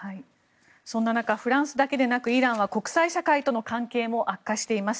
そんな中フランスだけでなくイランは国際社会との関係も悪化しています。